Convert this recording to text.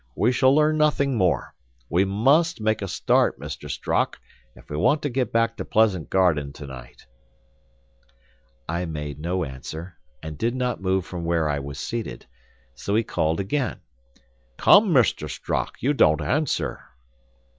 We shall learn nothing more. We must make a start, Mr. Strock, if we want to get back to Pleasant Garden to night." I made no answer, and did not move from where I was seated; so he called again, "Come, Mr. Strock; you don't answer."